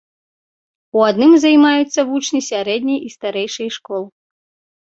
У адным займаюцца вучні сярэдняй і старэйшай школ.